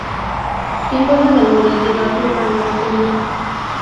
Símbolo de la identidad urbana de Temuco.